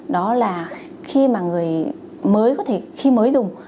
đó là khi mà người mới có thể khi mới dùng